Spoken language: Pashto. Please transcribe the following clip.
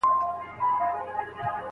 ما په سوغات کې تاته توره توپنچه راوړې